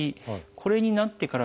これになってからですね